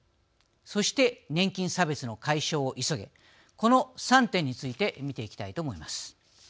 そして年金差別の解消を急げこの３点について見ていきたいと思います。